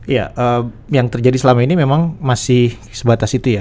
ya yang terjadi selama ini memang masih sebatas itu ya